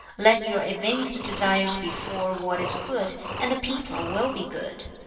Let your evinced desires be for what is good, and the people will be good.